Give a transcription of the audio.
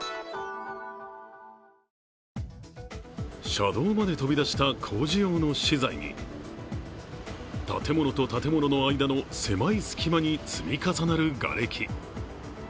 車道まで飛び出した工事用の資材に、建物と建物の間の狭い隙間に積み重なるがれき。